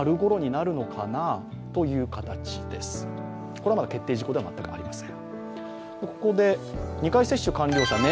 これはまだ決定事項では全くありません。